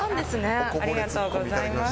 ありがとうございます。